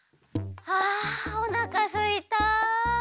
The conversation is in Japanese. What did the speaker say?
あおなかすいた。